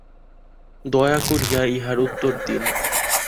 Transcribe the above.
দয়া করিয়া ইহার উত্তর দিন।